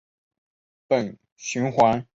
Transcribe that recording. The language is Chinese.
本循环于西班牙格拉诺列尔斯举行。